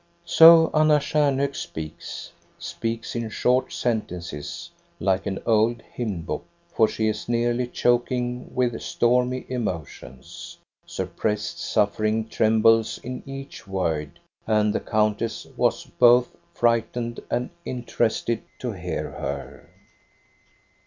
" So Anna Stjarnhok speaks, — speaks in short sentences, like an old hymn book, for she is nearly choking with stormy emotions. Suppressed suffer 220 THE STORY OF GOSTA BE RUNG. ing trembles in each word, and the countess was both frightened and interested to hear her.